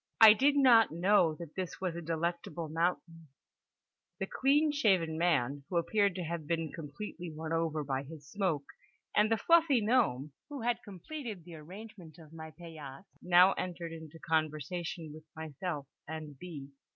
I did not know that this was a Delectable Mountain…. The clean shaven man (who appeared to have been completely won over by his smoke), and the fluffy gnome, who had completed the arrangement of my paillasse, now entered into conversation with myself and B.